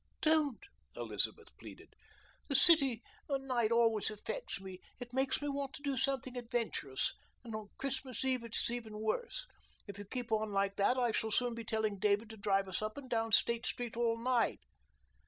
"Don't!" Elizabeth pleaded. "The city night always affects me. It makes me want to do something adventurous, and on Christmas Eve it is even worse. If you keep on like that I shall soon be telling David to drive us up and down State Street all night."